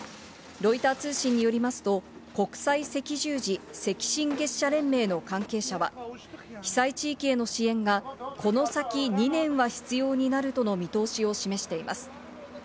ロイター通信によりますと国際赤十字・赤新月社連盟の関係者は被災地域への支援が、この先２年は必要になるとの見通しを示しています。